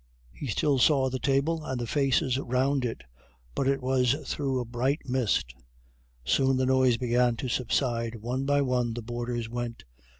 He still saw the table and the faces round it, but it was through a bright mist. Soon the noise began to subside, one by one the boarders went.